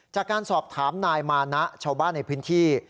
จากการสอบถามนายมานะชาวบ้านในพื้นที่